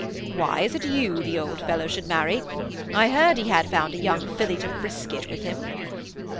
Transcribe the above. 'Why, is it you the old fellow should marry? I heard he had found a young filly to frisk it with him.'